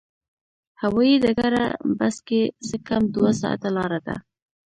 هوایي ډګره بس کې څه کم دوه ساعته لاره ده.